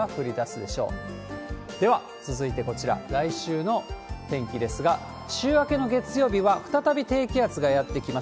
では、続いてこちら、来週の天気ですが、週明けの月曜日は、再び低気圧がやって来ます。